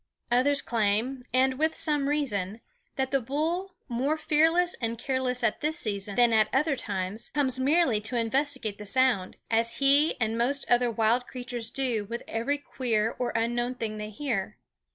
Others claim, and with some reason, that the bull, more fearless and careless at this season than at other times, comes merely to investigate the sound, as he and most other wild creatures do with every queer or unknown thing they hear.